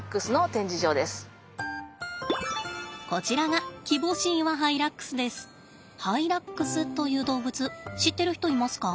こちらがハイラックスという動物知ってる人いますか？